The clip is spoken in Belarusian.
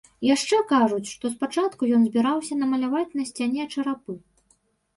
Яшчэ кажуць, што спачатку ён збіраўся намаляваць на сцяне чарапы.